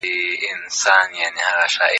ادبیات په ژوند کې ډېر اهمیت لري.